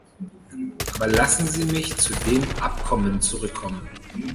Aber lassen Sie mich zu dem Abkommen zurückkommen.